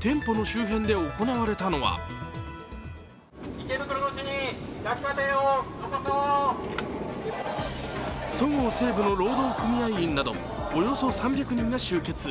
店舗の周辺で行われたのはそごう・西武の労働組合員などおよそ３００人が集結。